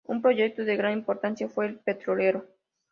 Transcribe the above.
Un proyecto de gran importancia fue el petrolero.